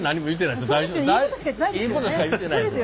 いいことしか言ってないです。